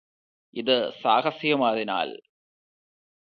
ഇത് സാഹസികമായതിനാല്